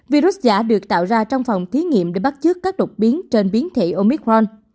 virus giả được tạo ra trong phòng thí nghiệm để bắt trước các đột biến trên biến thể omicron